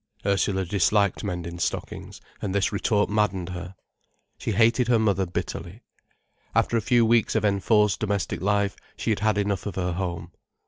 Ursula disliked mending stockings, and this retort maddened her. She hated her mother bitterly. After a few weeks of enforced domestic life, she had had enough of her home.